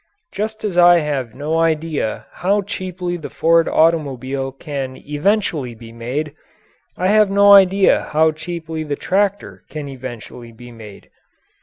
Just as I have no idea how cheaply the Ford automobile can eventually be made, I have no idea how cheaply the tractor can eventually be made.